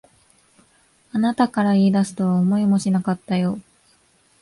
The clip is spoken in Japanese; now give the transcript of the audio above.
あなたから言い出すとは思いもしなかったよ。